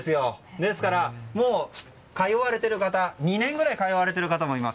ですから、もう２年ぐらい通われている方もいます。